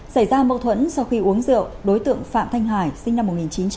xảy ra mâu thuẫn sau khi uống rượu đối tượng phạm thanh hải sinh năm một nghìn chín trăm tám mươi